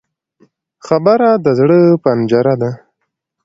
خبره د زړه پنجره ده